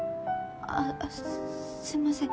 あっすいません。